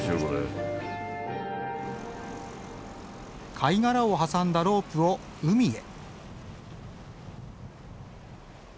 貝殻を挟んだロープを海へ。